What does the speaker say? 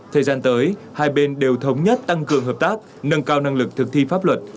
thời gian tới hai bên đều thống nhất tăng cường hợp tác nâng cao năng lực thực thi pháp luật